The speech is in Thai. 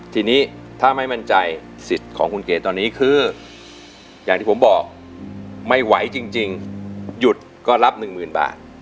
ทีนี้ถ้าไม่มั่นใจสิทธิ์ของคุณเกดตอนนี้คืออย่างที่ผมบอกไม่ไหวจริงหยุดก็รับหนึ่งหมื่นบาท